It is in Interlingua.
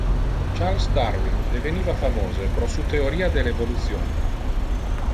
Charles Darwin deveniva famose pro su theoria del evolution.